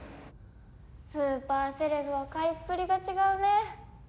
スーパーセレブは買いっぷりが違うね。